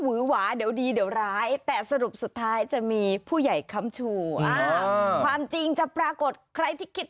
เปลี่ยนเป็นตังค์ด้วยมั้ยหมอช้างครับ